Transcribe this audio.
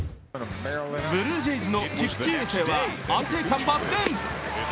ブルージェイズの菊池雄星は安定感抜群。